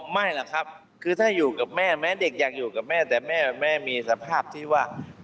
ไม่หรอกครับคือถ้าอยู่กับแม่แม้เด็กอยากอยู่กับแม่แต่แม่มีสภาพที่ว่า